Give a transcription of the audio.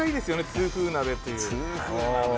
痛風鍋という。